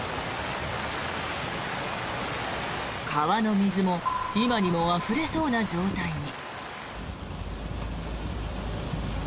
川の水も今にもあふれそうな状態に。